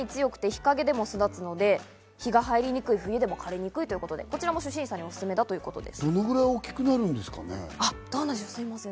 寒さに強くて日陰でも育つので、日が入りにくい冬でも枯れにくいということで初心者にオススメだということです。